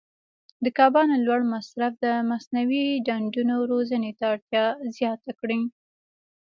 د کبانو لوړ مصرف د مصنوعي ډنډونو روزنې ته اړتیا زیاته کړې.